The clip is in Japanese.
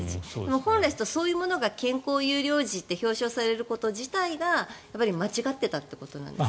本来そういうものが健康優良児って表彰されること自体が間違っていたということなんですか？